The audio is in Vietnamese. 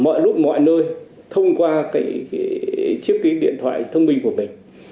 mọi lúc mọi nơi thông qua cái chiếc cái điện thoại thông minh của mình